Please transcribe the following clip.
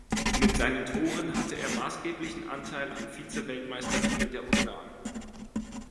Mit seinen Toren hatte er maßgeblichen Anteil am Vizeweltmeistertitel der Ungarn.